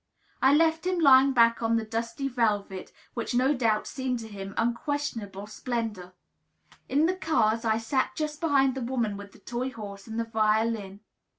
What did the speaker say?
I left him lying back on the dusty velvet, which no doubt seemed to him unquestionable splendor. In the cars I sat just behind the woman with the toy horse and the violin.